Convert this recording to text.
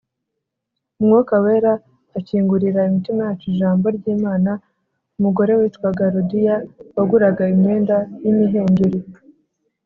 Umwuka Wera akingurira imitima yacu Ijambo ry'ImanaUmugore witwaga Ludiya waguraga imyenda y'imihengeri,